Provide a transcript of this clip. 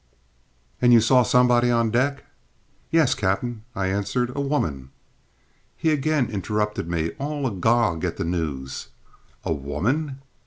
"And you saw somebody on the deck?" "Yes, cap'en," I answered; "a woman." He again interrupted me, all agog at the news. "A woman?"